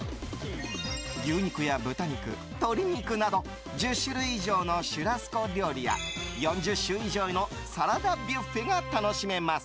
牛肉や豚肉、鶏肉など１０種類以上のシュラスコ料理や４０種以上のサラダビュッフェが楽しめます。